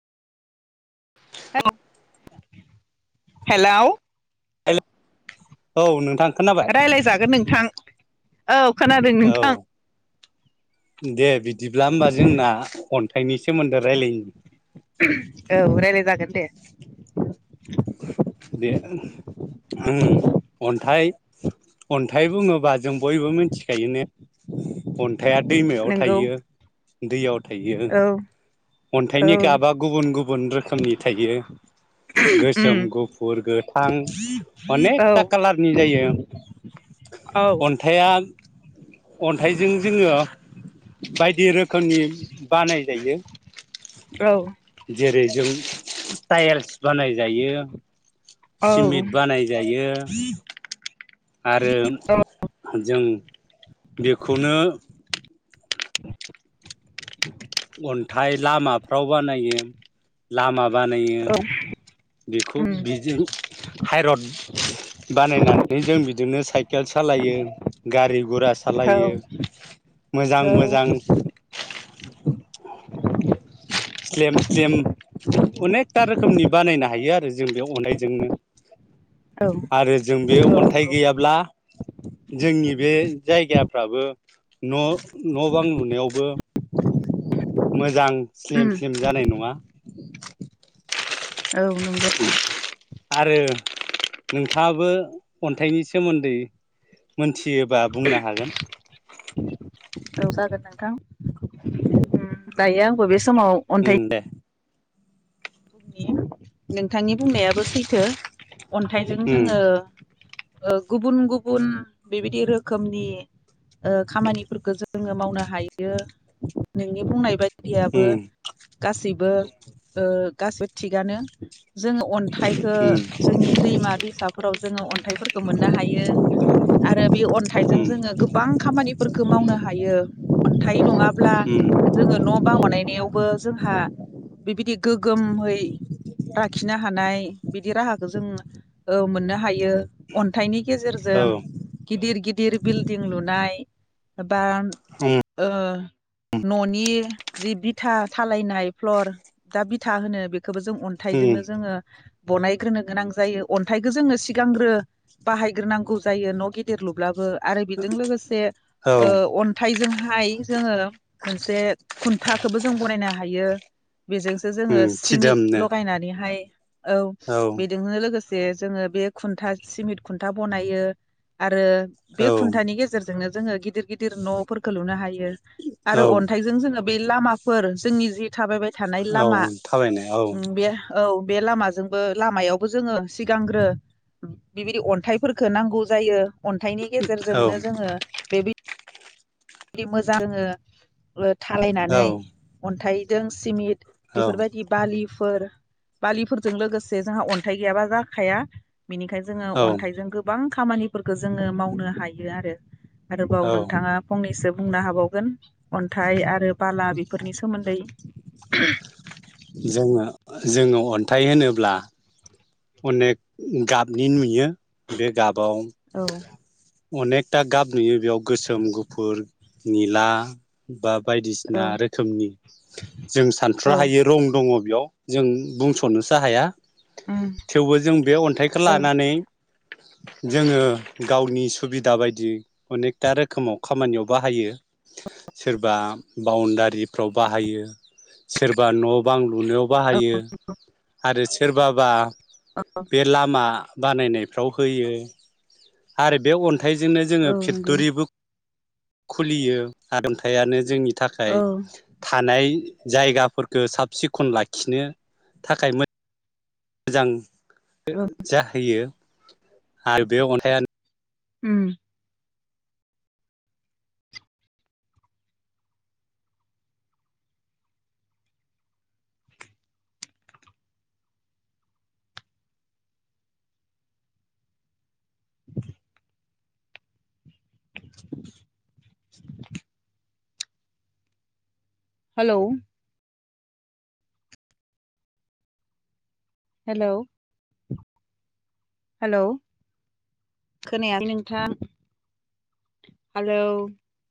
[unintelligible] Hello हेल औ नोंथां खोनाबाय रायलायजागोन नोंथां औ खोनादों नोंथां औ दे बिदिब्ला होमबा जोंना खन्थाइनिसो [unintelligible] औ रायलाय जागोन दे [inaudible] दे उ अन्थाइ अन्थाइ बुङोबा जों बयबो मोनथिखायो ने अन थाया दैमायाव नोंगौ थायो दैयाव थायो औ औ अन्थाइनि गाबा गुबुन गुबुन रोखोमनि थायो गोस उम सोम गुफुर गोथां औ अनेकथा खालारनि जायो औ अन्थाइया अन्थाइजों जोङो बायदि रोख खोमनि बानाय जायो जेरै जों टाएल्स बानाय जायो औ सिमेत बानाय जायो आरो जों बेखौनो [inaudible] अन्थाइ लामाफ्राव बानायो लामा बानायो औ बेखौ उम बिदि हाइरड बानायनानै जों बिदिनो साइकेल सालायो गारि गुरा औ सालायो मोजां मोजां स्लिम स्लिम अनेकथा रोखोमनि बानायनो हायो आरो जों बे अन्नायजोंनो औ आरो जों बे अन्थाइ नंगौ गैयाब्ला जोंनि बे जायगाफ्राबो न' न' बां लुनायावबो मोजां स्लिम उम स्लिम जानाय नङा [inaudible] औ नंगो आरो नोंथाङाबो अन्थाइनि सोमोन्दै मोनथि फैयोबा बुंनो हागोन औ जागोन नोंथां उम दायो आंबो बे समाव अन्थाइ उम दे [inaudible] नोंथांनि बुंनायाबो सैथो अन्थाइजों उम जोङो ओ गुबुन गुबुन बेबायदि रोखोमनि ओ खामानिफोरखौ जोङो मावनो हायो नोंनि बुंनाय बाय दियाबो उम गासैबो ओ गासिबो थिगानो जोङो अन्थाइखो उम जोंनि दैमा दैसाफोराव जोङो अन्थाइफोरखौ मोननो हायो आरो बे अन्थाइजों जोङो गोबां खामानिफोरखौ मावनो हा हायो अन्थाइ नङा उम बां बानायनायावबो जोंहा बि-बिदि गो गोमहै लाखिनो हानाय बिदि राहाखौ जों ओ मोननो हायो अन्थाइनि गेजेरजों औ गिदिर गिदिर बिल्दिं लुनाय बा उम ओ न'नि जि बिथा थालायनाय फ्लर दा बि था होनो बिख खोबो जों अन्थाइजोंनो उम जोङो बनायग्रोनो गोनां जायो। अन्थाइखौ जोङो सिगांग्रो बाहायग्रोनांगौ जायो न' गिदिर लुब्लाबो आरो बेजों लोगोसे औ ओ अन्थाइजोंहा हाय जोङो मोनसे खुन्थाखौबो जों बनायनो हायो। बेजो थो जोङो उम सिमेन्ट थिदोमनो लगायनानैहाय औ बेदोंनो लोगोस जे जोङो बे खुन्था सिमिन्ट खुन्था बनायो आरो बे औ खुन्थानि गेजेर जोंनो जोङो गिदिर गिदिर न'फोरखौ लुनो हायो। यो औ आरो अन्थाइजों जोङो बे लामाफोर जोंनि जि थाबायबाय थानाय औ लामा थाबायनाय औ उम बे औ बे लामाजोंबो लामायावबो जोङो सिगांग्रो बिबायदि अन्थाइफोरफोरखौ नांगौ जायो। अन्थाइनि औ गेजेरजोंनो जोङो बे बि दि मोजाङो ओ थालायनानै औ अन्थाइ जों सिमिट औ बेफोरबायदि बालि फोर बालिफोरजों लोगोसे जोंहा अन्थाइ गैयाबा जाखाया। बिनिखाय जोङो औ अन्थाइजों गोबां खामानिफोरखौ जोङो मावनो हायो आरो। आरोबाव नोंथाङा फंनैसो बुंनो हाबावगोन अन्थाइ आरो बाला बेफोरनि सोमोन्दै [inaudible] जोङो जोङो अन्थाइ होनोब्ला अनेक गाबनि नुयो। बे गाबाव औ [inaudible] अनेकथा गाब नुयो बेयाव गोसोम गुफुर निला बा औ बायदिसिना रोखोमनि, जों सानथ्र औ हायै रं दङ बेयाव जों बुंस'नोसो हाया। उम थेवबो जों बे अन्थाइखो औ लानानै जोङो गावनि सुबिदा बायदि अनेकथा रोखोमाव खामानियाव बाहायो। सोरबा बाउणडारिफ्राव बाहायो, सोरबा न' बां लुनायाव औ बाहायो, आरो सोरबाबा औ बेे लामा बानायनायफ्राव होयो। आरो बे अन थाइजोंनो जोङो औ नंगौ फेक्ट'रिबो खुलियो आरो अन्थायानो जोंनि थाखाय औ थानाय जायगाफोरखो साब सिखन लाखिनो थाखाय मो जां जाहैयो आरो बे अन्थायानो उम [inaudible] हालौ हेलौ [inaudible] हेलौ खोनायालै नोंथां [inaudible] हालौ